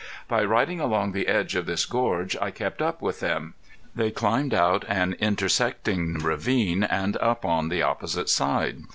By riding along the edge of this gorge I kept up with them. They climbed out an intersecting ravine and up on the opposite side.